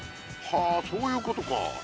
はあそういうことか。